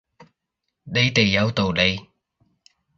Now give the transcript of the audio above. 你哋有道理